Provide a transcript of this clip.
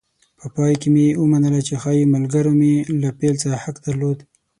په پای کې مې ومنله چې ښایي ملګرو مې له پیل څخه حق درلود.